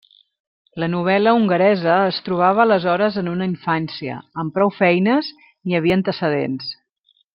La novel·la hongaresa es trobava aleshores en una infància, amb prou feines n'hi havia antecedents.